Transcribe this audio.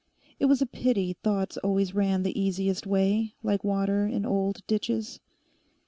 It was a pity thoughts always ran the easiest way, like water in old ditches.